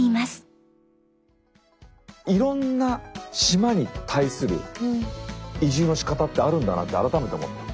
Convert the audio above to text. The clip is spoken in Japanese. いろんな島に対する移住のしかたってあるんだなって改めて思った。